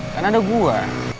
kan ada gue